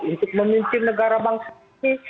untuk memimpin negara bangsa ini